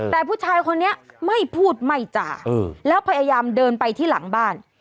แต่ผู้ชายคนนี้ไม่พูดไม่จ่าแล้วพยายามเดินไปที่หลังบ้าน